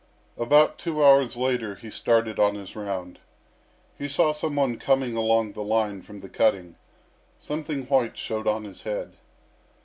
About two hours later he started on his round. He saw some one coming along the line from the cutting. Something white showed on his head.